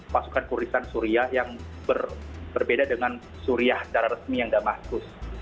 pasukan turisan suria yang berbeda dengan suriah secara resmi yang damaskus